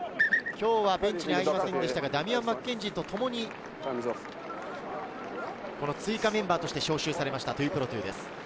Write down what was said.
今日はベンチに入りませんでしたが、ダミアン・マッケンジーとともに追加メンバーとして招集されました、トゥイプロトゥです。